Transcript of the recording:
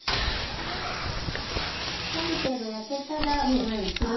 である程度焼けたらこのようにクルリと。